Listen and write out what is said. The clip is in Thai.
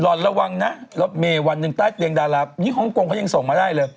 อดระวังนะรถเมย์วันหนึ่งใต้เตียงดารานี่ฮ่องกงเขายังส่งมาได้เลย